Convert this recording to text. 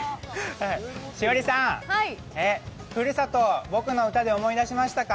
栞里さん、ふるさと、僕の歌で思い出しましたか？